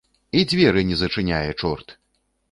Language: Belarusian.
І дзверы не зачыняе, чорт.